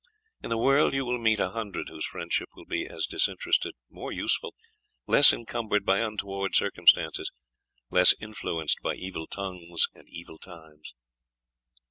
In the world you will meet a hundred whose friendship will be as disinterested more useful less encumbered by untoward circumstances less influenced by evil tongues and evil times."